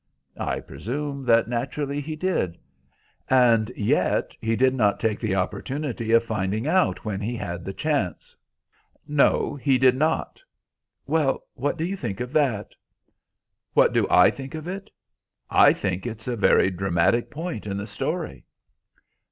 "I presume that, naturally, he did." "And yet he did not take the opportunity of finding out when he had the chance?" "No, he did not." "Well, what do you think of that?" "What do I think of it? I think it's a very dramatic point in the story."